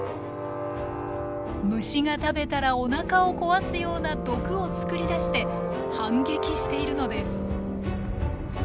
虫が食べたらおなかを壊すような毒を作り出して反撃しているのです。